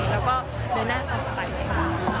แล้วก็เดินหน้าตามสบายเลยค่ะ